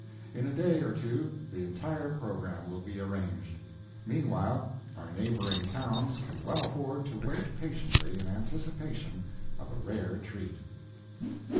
In a day or two the entire programme will be arranged. Meanwhile our neighboring towns can well afford to wait patiently in anticipation of a rare treat.